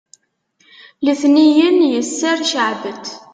letniyen yesser ceɛbet